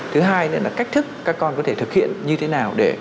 thứ hai nữa là cách thức các con có thể thực hiện như thế nào để